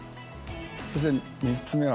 そして３つ目は。